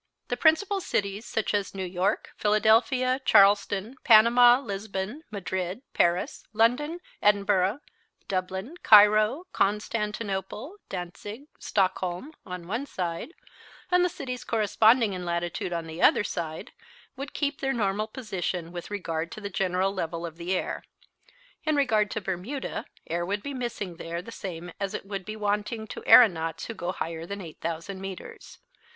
The principal cities, such as New York, Philadelphia, Charleston, Panama, Lisbon, Madrid, Paris, London, Edinburgh, Dublin, Cairo, Constantinople, Dantzig, Stockholm, on one side, and the cities corresponding in latitude on the other side, would keep their normal position with regard to the general level of the air. In regard to Bermuda, air would be missing there the same as it would be wanting to aeronauts who go higher than 8,000 metres.